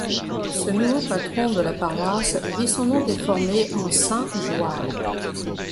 Ce nouveau patron de la paroisse vit son nom déformé en saint Jeoire.